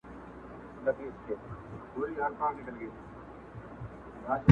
• پروت زما په پښو کي تور زنځیر خبري نه کوي..